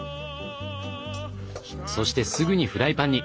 そしてすぐにフライパンに。